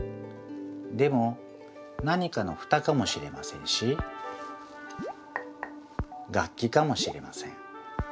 でも何かのふたかもしれませんし楽きかもしれません。